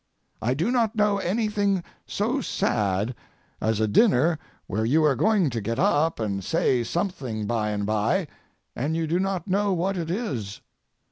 I do not know anything so sad as a dinner where you are going to get up and say something by and by, and you do not know what it is.